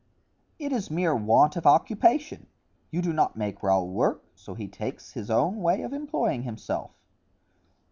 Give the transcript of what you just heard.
"It is mere want of occupation. You do not make Raoul work, so he takes his own way of employing himself."